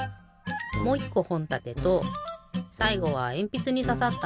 もう１こほんたてとさいごはえんぴつにささった